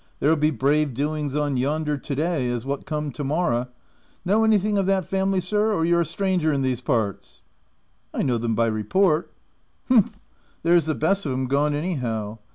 ce There'll be brave doings on yonder to day, as what come to morra. — Know anything of that family, sir ? or you're a stranger in these parts V\ iC I know them by report " u Humph !— There's the best of 'em gone anyhow.